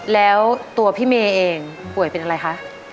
แล้วตัวพี่เมย์เองป่วยเป็นอะไรคะ